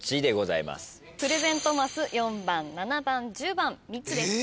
プレゼントマス４番７番１０番３つです。